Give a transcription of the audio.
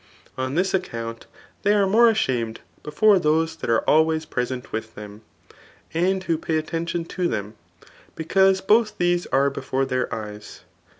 On this, account they are more ashamed before those that are always present with them, and who pay attention to them, because both duse are before Aeir jeyas.